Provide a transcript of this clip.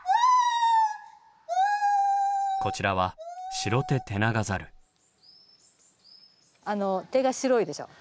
こちらは手が白いでしょう？